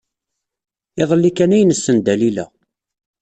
Iḍelli kan ay nessen Dalila.